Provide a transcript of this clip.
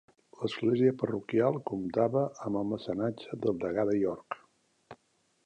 L'església parroquial comptava amb el mecenatge del degà de York.